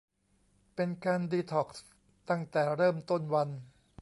เป็นการดีท็อกซ์ตั้งแต่เริ่มต้นวัน